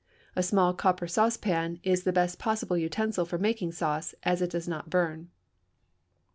A small copper saucepan is the best possible utensil for making sauce, as it does not burn.